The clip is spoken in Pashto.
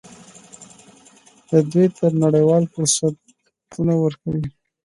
دا دوی ته نړیوال فرصتونه ورکوي.